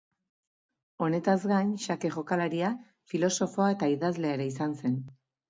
Honetaz gain xake jokalaria, filosofoa eta idazlea ere izan zen.